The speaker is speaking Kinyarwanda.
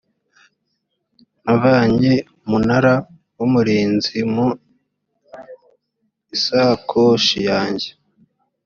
navanye umunara w umurinzi mu isakoshi yanjye